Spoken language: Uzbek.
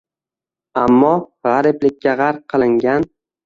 Ammo g‘ariblikka g‘arq qilingan.